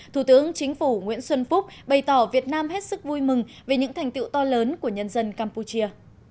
thủ tướng chính phủ nguyễn xuân phúc bày tỏ việt nam hết sức vui mừng về những thành tiệu to lớn của nhân dân campuchia